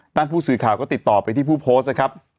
ท่านผู้สื่อข่าวก็ติดต่อไปที่ผู้โพสต์นะครับ